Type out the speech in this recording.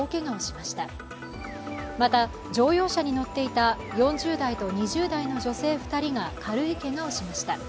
また、乗用車に乗っていた４０代と２０代の女性２人が軽いけがをしました。